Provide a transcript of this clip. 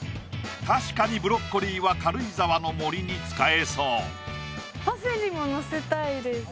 確かにブロッコリーは軽井沢の森に使えそう。